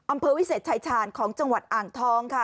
อำเภอวิเศษชายชาญของจังหวัดอ่างทองค่ะ